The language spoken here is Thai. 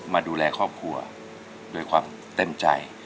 มาดูแลครอบครัวด้วยความเต็มใจ